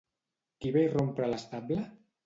Qui va irrompre a l'estable?